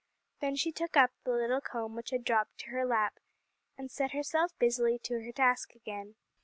Then she took up the little comb which had dropped to her lap, and set herself busily to her task again.